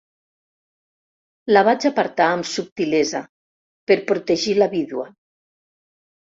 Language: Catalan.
La vaig apartar amb subtilesa, per protegir la vídua.